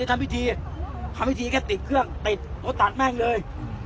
ทำพิธีทำพิธีแค่ติดเครื่องติดเขาตัดแม่งเลย